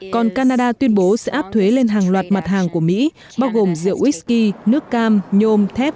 còn canada tuyên bố sẽ áp thuế lên hàng loạt mặt hàng của mỹ bao gồm rượu wisky nước cam nhôm thép